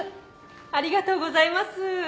ありがとうございます。